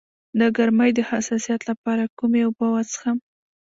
د ګرمۍ د حساسیت لپاره کومې اوبه وڅښم؟